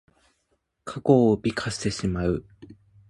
過去を美化してしまう。